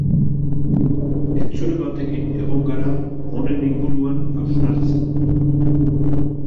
Entzule batekin egon gara honen inguruan hausnartzen.